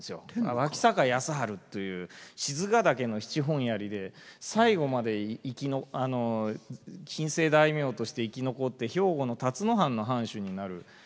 脇坂安治という賤ヶ岳の七本槍で最後まで近世大名として生き残って兵庫の龍野藩の藩主になる。